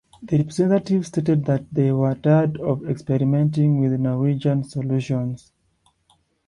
The representatives stated that they were "tired of experimenting with Norwegian solutions".